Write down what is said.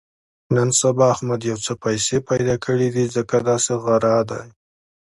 نن سبا احمد یو څه پیسې پیدا کړې دي، ځکه داسې غره دی.